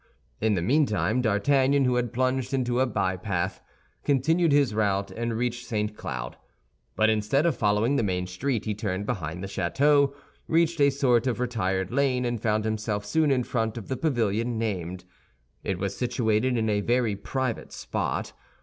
In the meantime D'Artagnan, who had plunged into a bypath, continued his route and reached St. Cloud; but instead of following the main street he turned behind the château, reached a sort of retired lane, and found himself soon in front of the pavilion named. It was situated in a very private spot.